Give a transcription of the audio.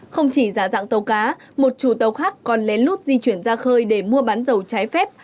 không chỉ giả dạng tàu cá một chủ tàu khác còn lén lút di chuyển ra khơi để mua bán dầu trái phép